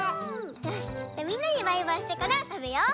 よしみんなにバイバイしてからたべよう。